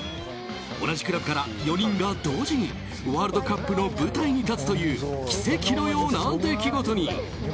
同じクラブから４人が、同時にワールドカップの舞台に立つという奇跡のような出来事に。